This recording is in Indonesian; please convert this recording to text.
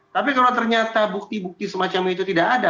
tapi kalau ternyata bukti bukti semacam itu tidak ada